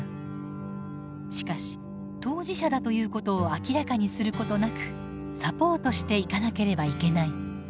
しかし当事者だということを明らかにすることなくサポートしていかなければいけない。